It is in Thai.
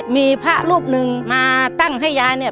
มีผ้ารูปหนึ่งมาตั้งให้ยาย